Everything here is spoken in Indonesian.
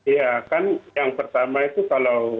ya kan yang pertama itu kalau